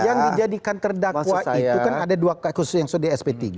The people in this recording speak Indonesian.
yang dijadikan terdakwa itu kan ada dua khusus yang sudah di sp tiga